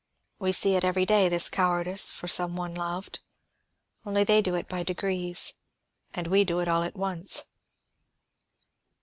We see it every day, this cowardice for some one loved. Only they do it by degrees, and we do it all at once."